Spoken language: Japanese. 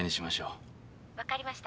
☎分かりました。